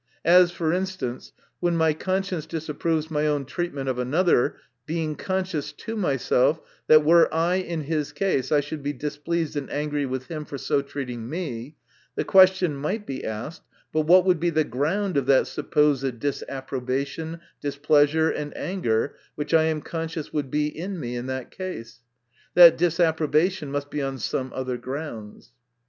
As for instance, when my conscience disapproves my own treatment of another, being conscious to myself that were I in his case, I should be displeased and angry with him for so treating me, the question might be asked, But what would be the ground of that supposed disapprobation, dis pleasure and anger, which I am conscious would be in me in that case 1 — That disapprobation must be on some other grounds.